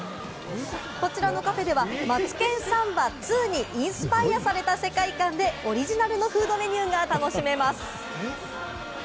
こちらのカフェでは『マツケンサンバ２』にインスパイアされた世界感で、オリジナルのフードメニューが楽しめます。